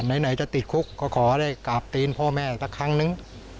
ไหนจะติดคุกก็ขอได้กราบตีนพ่อแม่สักครั้งนึง